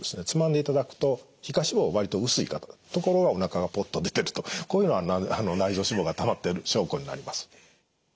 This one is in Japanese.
つまんでいただくと皮下脂肪割と薄い方ところがおなかがポッと出てるとこういうのは内臓脂肪がたまってる証拠になります。